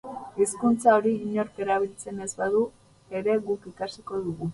Hizkuntza hori inork erabiltzen ez badu ere guk ikasiko dugu.